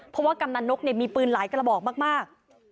เพราะว่ากำนันนกมีปืนหลายกระบอกมาก